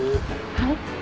はい？